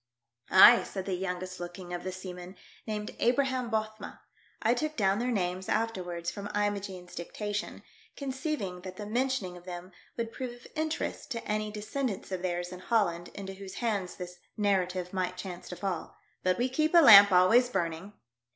Ay," said the youngest looking of the seamen, named Abraham Bothma — I took down their names afterwards from Imogene's dictation, conceiving that the mentioning of them would prove of interest to any de scendants of theirs in Holland into whose hands this narrative might chance to fall — "but we keep a lamp always burning."